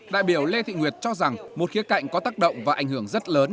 đại biểu lê thị nguyệt cho rằng một khía cạnh có tác động và ảnh hưởng rất lớn